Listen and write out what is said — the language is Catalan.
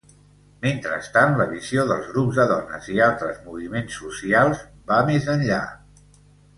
Mentrestant, la visió dels grups de dones i altres moviments socials va més enllà.